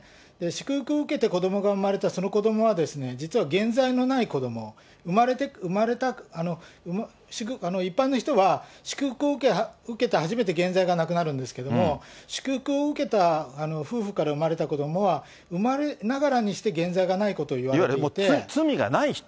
祝福を受けて子どもが生まれて、その子どもは実は原罪のない子ども、生まれた、一般の人は、祝福を受けて初めて原罪がなくなるんですけれども、祝福を受けた夫婦から生まれた子どもは生まれながらにして、原罪いわゆる罪がない人？